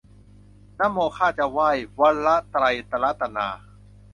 นะโมข้าจะไหว้ วระไตรระตะนา